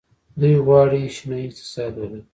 دوی غواړي شنه اقتصاد ولري.